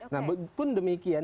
nah pun demikian